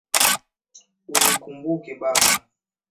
Unikumbuke baba